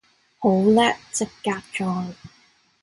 好叻，即刻裝